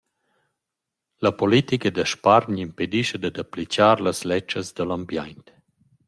La politica da spargn impedischa dad applichar las ledschas da l’ambiaint.